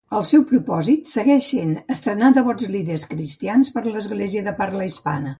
El seu propòsit segueix sent entrenar devots líders cristians per a l'església de parla hispana.